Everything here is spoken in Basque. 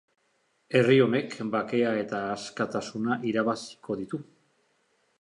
Herri honek bakea eta askatasuna irabaziko ditu.